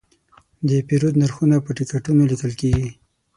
د پیرود نرخونه په ټکټونو لیکل شوي.